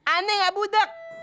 aneh gak budeg